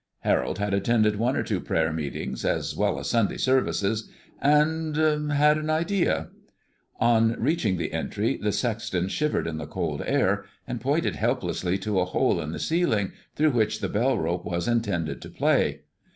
Harold had attended one or two prayer meetings, as well as Sunday services, and had an idea. On reaching the entry, the sexton shivered in the cold air, and pointed helplessly to a hole in the ceiling, through which the bell rope was intended to play.